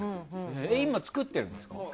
今作ってるんですか。